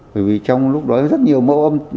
bởi vì trong lúc đó rất nhiều mẫu ôm